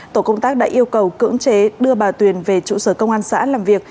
tổ công tác đã yêu cầu cưỡng chế đưa bà tuyền về trụ sở công an xã làm việc